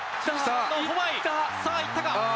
さあ、いったか。